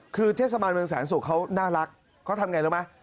คือเทศมันเมืองสารสุขเขาน่ารักเขาทำอย่างไรรู้ไหม